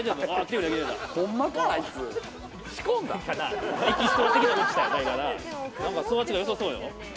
なんか育ちが良さそうよ。